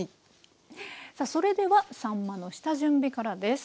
さあそれではさんまの下準備からです。